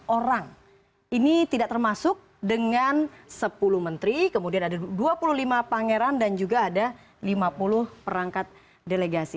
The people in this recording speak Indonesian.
empat orang ini tidak termasuk dengan sepuluh menteri kemudian ada dua puluh lima pangeran dan juga ada lima puluh perangkat delegasi